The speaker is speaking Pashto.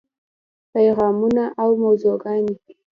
پیغامونه او موضوعګانې: